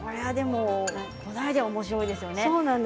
このアイデアはおもしろいですよね。